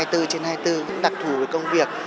hai mươi bốn trên hai mươi bốn cũng đặc thù với công việc